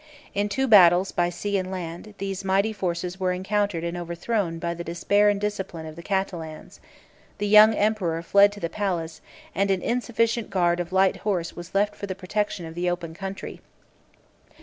In two battles by sea and land, these mighty forces were encountered and overthrown by the despair and discipline of the Catalans: the young emperor fled to the palace; and an insufficient guard of light horse was left for the protection of the open country.